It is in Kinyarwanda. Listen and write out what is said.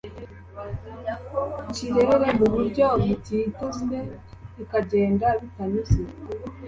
kirere mu buryo butitezwe ikagenda bitanyuze